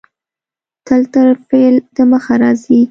تل تر فعل د مخه راځي.